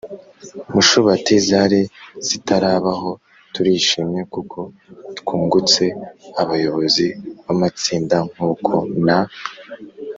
mushubati zari zitarabaho. turishimye kuko twungutse abayobozi b’amatsinda nk’uko n